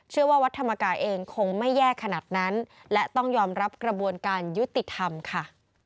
วัดธรรมกายเองคงไม่แย่ขนาดนั้นและต้องยอมรับกระบวนการยุติธรรมค่ะ